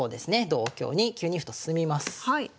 同香に９二歩と進みます。